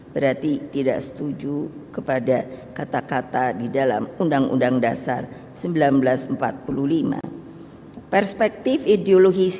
berarti tidak setuju kepada kata kata di dalam undang undang dasar seribu sembilan ratus empat puluh lima perspektif ideologis